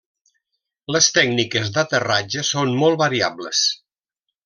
Les tècniques d'aterratge són molt variables.